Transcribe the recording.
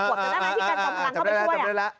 เจ้าหน้าที่การกำลังเข้าไปช่วย